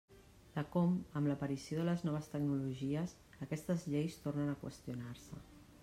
De com, amb l'aparició de les noves tecnologies, aquestes lleis tornen a qüestionar-se.